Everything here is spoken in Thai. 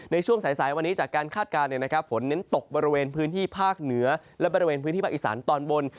ในช่วงสายวันนี้จากการคาดการณ์ฝนเน้นตกบริเวณพื้นที่ภาคเหนือและบริเวณพื้นที่ภาคอีสานตอนบน